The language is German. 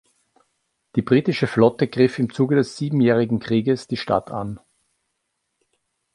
Die britische Flotte griff im Zuge des Siebenjährigen Krieges die Stadt an.